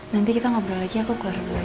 nanti kita ngobrol lagi aku keluar dulu aja ya